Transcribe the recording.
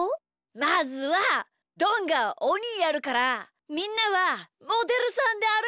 まずはどんがおにやるからみんなはモデルさんであるいてきてよ。